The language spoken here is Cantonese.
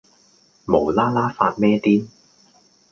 無啦啦發咩癲